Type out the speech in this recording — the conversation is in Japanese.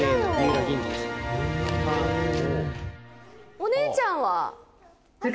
お姉ちゃんは？